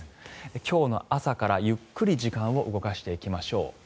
今日の朝からゆっくり時間を動かしていきましょう。